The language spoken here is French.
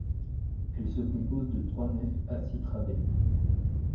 Elle se compose de trois nefs à six travées.